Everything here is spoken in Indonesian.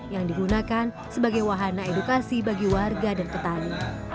yang digunakan sebagai wahana edukasi bagi warga dan petani